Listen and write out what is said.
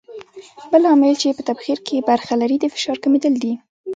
بل عامل چې په تبخیر کې برخه لري د فشار کمېدل دي.